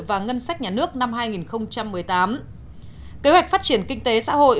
và ngân sách nhà nước năm hai nghìn một mươi tám kế hoạch phát triển kinh tế xã hội